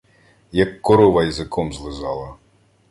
Як корова язиком злизала.